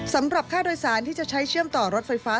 สำหรับค่าโดยสารที่จะใช้เชื่อมต่อรถไฟฟ้า